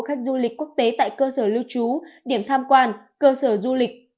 khách du lịch quốc tế tại cơ sở lưu trú điểm tham quan cơ sở du lịch